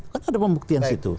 kan ada pembuktian di situ